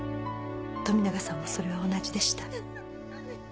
富永さんもそれは同じでした。